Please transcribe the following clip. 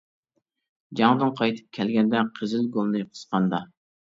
جەڭدىن قايتىپ كەلگەندە، قىزىل گۈلنى قىسقاندا.